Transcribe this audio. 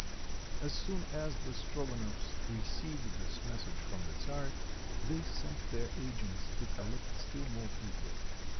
As soon as the Strogonoff s received this message from the czar, they sent their agents to collect still more people.